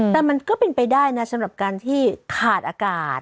แต่มันก็เป็นไปได้นะสำหรับการที่ขาดอากาศ